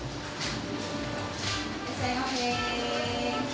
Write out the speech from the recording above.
いらっしゃいませ。